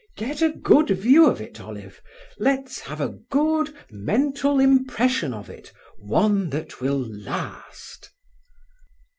"Get a good view of it, Olive. Let's have a good mental impression of it—one that will last."